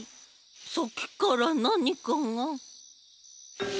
さっきからなにかが。